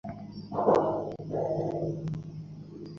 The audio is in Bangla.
তাঁরা নিজেদের চেয়ে খাটো মেয়ে পছন্দ করেন, তবে অতিরিক্ত খাটো নয়।